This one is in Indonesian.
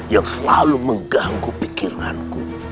yang selalu mengganggu pikiranku